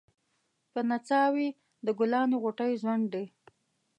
په نڅا وې د ګلانو غوټۍ ځونډي